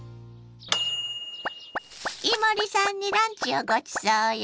伊守さんにランチをごちそうよ。